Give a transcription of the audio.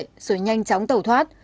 ngân hàng nhanh chóng tẩu thoát